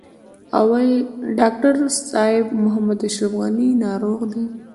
اول: ډاکټر صاحب محمد اشرف غني ناروغ دی.